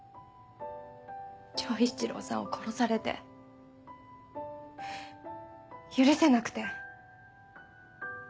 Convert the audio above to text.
丈一郎さんを殺されて許せなくて。